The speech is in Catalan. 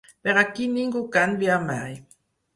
Per aquí ningú canvia mai.